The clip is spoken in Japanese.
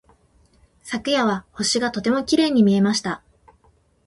昨夜は星がとてもきれいに見えました。